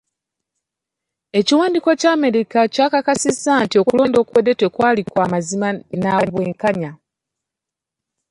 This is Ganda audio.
Ekiwandiiko kya Amerika kikakasa nti okulonda okwawedde tekwali kwa mazima nabwenkanya.